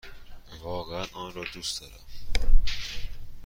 واقعا آن را دوست دارم!